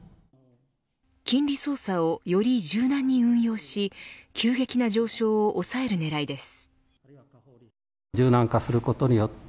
金利操作をより柔軟に運用し急激な上昇を抑える狙いです。